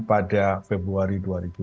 pada februari dua ribu dua puluh